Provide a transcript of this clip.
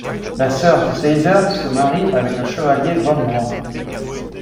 La sœur de Seisser se marie avec le chevalier von Braun.